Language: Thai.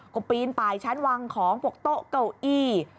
ก็ปีนไปชั้นวางของพวกโต๊ะเก้าอี้